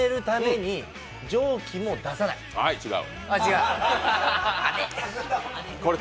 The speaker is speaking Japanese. はい、違う。